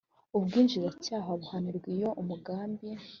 ubwinjiracyaha buhanirwa iyo umugambi